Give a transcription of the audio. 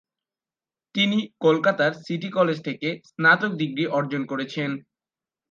তিনি কলকাতার city college থেকে স্নাতক ডিগ্রি অর্জন করেছেন।